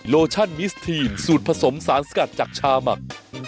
โลชั่นมิสทีนสูตรผสมสารสกัดจากชาหมัก